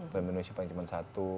film indonesia paling cuma satu